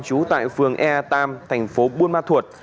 trú tại phường e ba thành phố buôn ma thuột